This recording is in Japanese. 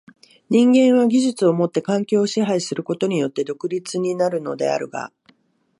人間は技術をもって環境を支配することによって独立になるのであるが、